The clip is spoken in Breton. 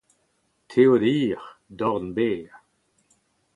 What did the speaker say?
Teod hir, dorn berr.